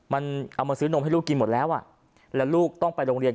มันเอามาซื้อนมให้ลูกกินหมดแล้วอ่ะแล้วลูกต้องไปโรงเรียน